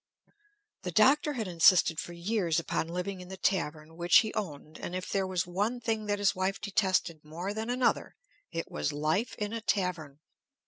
The Doctor had insisted for years upon living in the tavern, which he owned, and if there was one thing that his wife detested more than another, it was life in a tavern.